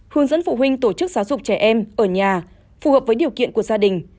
hướng dẫn phụ huynh tổ chức giáo dục trẻ em ở nhà phù hợp với điều kiện của gia đình